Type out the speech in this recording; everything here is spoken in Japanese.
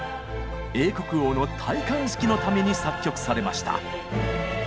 英国王の戴冠式のために作曲されました。